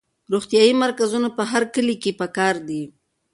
روغتیایي مرکزونه په هر کلي کې پکار دي.